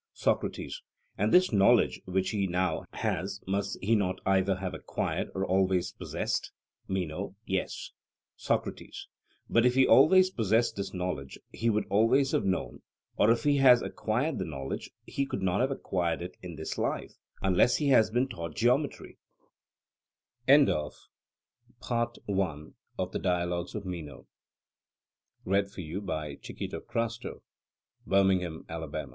SOCRATES: And this knowledge which he now has must he not either have acquired or always possessed? MENO: Yes. SOCRATES: But if he always possessed this knowledge he would always have known; or if he has acquired the knowledge he could not have acquired it in this life, unless he has been taught geometry; for he may be made to do the same with all geometry and every other branch of k